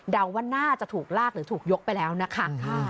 ว่าน่าจะถูกลากหรือถูกยกไปแล้วนะคะ